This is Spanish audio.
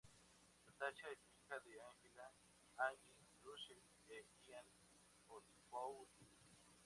Natasha es hija de Angela "Angie" Russell e Ian Osbourne.